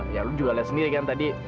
ya lu juga lihat sendiri kan tadi